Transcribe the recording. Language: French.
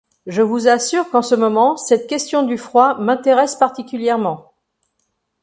Je vous assure qu’en ce moment cette question du froid m’intéresse particulièrement.